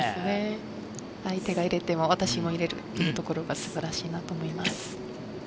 この精神相手が入れても、私も入れるという精神力が素晴らしいと思います。